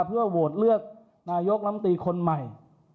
เพื่อโหวตเลือกนายกลำตีคนใหม่